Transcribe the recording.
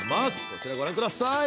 こちらごらんください。